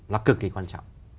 là cực kỳ quan trọng